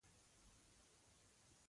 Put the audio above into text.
بل دا د پاچاهانو کلی و.